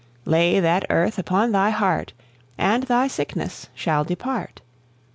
Lay that earth upon thy heart, And thy sickness shall depart!